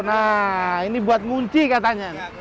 nah ini buat ngunci katanya